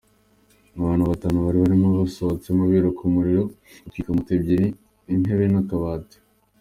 Abantu batanu bari babirimo basohotsemo biruka, umuriro utwika moto ebyiri, intebe n’akabati.